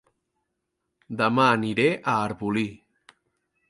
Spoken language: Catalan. Dema aniré a Arbolí